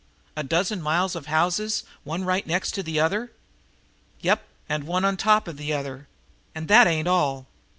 A dozen miles of houses, one right next to the other?" "Yep, and one on top of the other. And that ain't all.